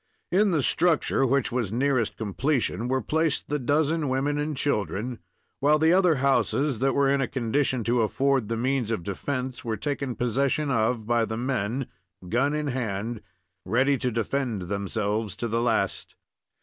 In the structure which was nearest completion were placed the dozen women and children, while the other houses that were in a condition to afford the means of defense were taken possession of by the men, gun in hand, ready to defend themselves to the last.